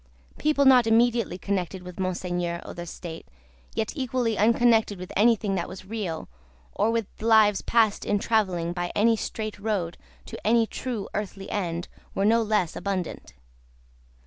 People not immediately connected with Monseigneur or the State, yet equally unconnected with anything that was real, or with lives passed in travelling by any straight road to any true earthly end, were no less abundant.